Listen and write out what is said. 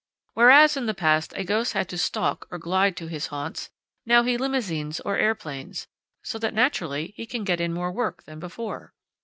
Whereas in the past a ghost had to stalk or glide to his haunts, now he limousines or airplanes, so that naturally he can get in more work than before.